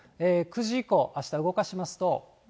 ９時以降、あした動かしますと。